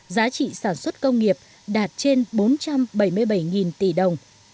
giá trị sản xuất công nghiệp đạt trên bốn trăm bảy mươi bảy tỷ đồng